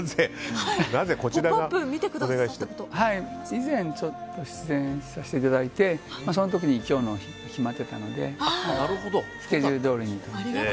以前出演させていただいてその時に今日のことが決まっていたのでスケジュールどおりに。